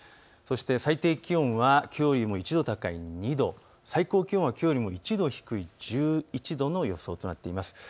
そして最低気温はきょうより１度高い２度、最高気温はきょうより１度低い１１度の予想です。